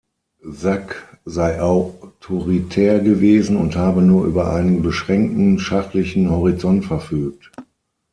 Sak sei autoritär gewesen und habe nur über einen beschränkten schachlichen Horizont verfügt.